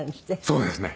そうですね。